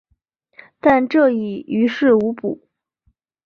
但这已于事无补。